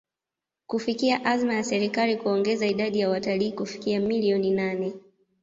kufikia azma ya Serikali kuongeza idadi ya watalii kufikia milioni nane